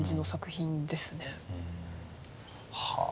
はあ。